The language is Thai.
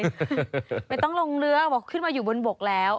ตอนนี้เลยไม่ต้องลงเรือขึ้นมาอยู่บนบกแล้ว